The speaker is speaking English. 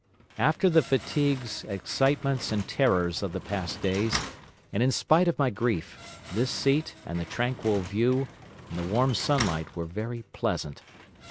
"After the fatigues, excitements, and terrors of the past days, and in spite of my grief, this seat and the tranquil view and the warm sunlight were very pleasant.